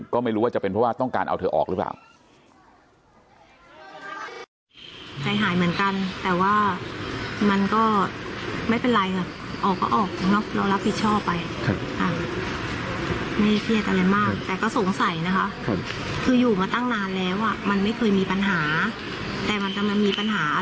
ก็ไม่รู้ว่าจะเป็นเพราะว่าต้องการเอาเธอออกหรือเปล่า